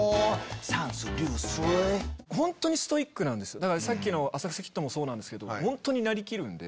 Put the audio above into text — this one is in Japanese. そのだからさっきの『浅草キッド』もそうなんですけどホントになりきるんで。